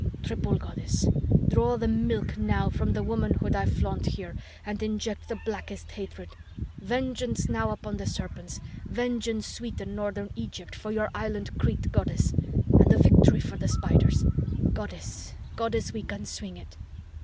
Triple Goddess, draw the milk now from the womanhood I flaunt here and inject the blackest hatred! Vengeance now upon the Serpents, vengeance sweet in northern Egypt, for your island, Crete, Goddess! and a victory for the Spiders! Goddess, Goddess, we can swing it!"